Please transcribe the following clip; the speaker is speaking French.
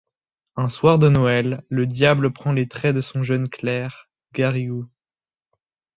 Un soir de Noël, le diable prend les traits de son jeune clerc Garrigou.